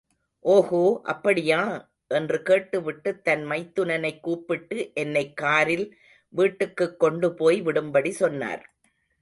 ஓகோ அப்படியா? என்று கேட்டுவிட்டுத் தன் மைத்துனனைக் கூப்பிட்டு என்னைக் காரில் வீட்டுக்குக் கொண்டுபோய் விடும்படி சொன்னார்.